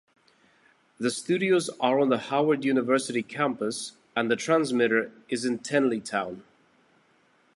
The studios are on the Howard University campus, and the transmitter is in Tenleytown.